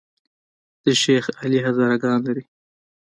د شیخ علي هزاره ګان لري